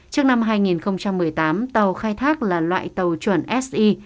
trước năm hai nghìn một mươi tám tàu khai thác là loại tàu chuẩn ses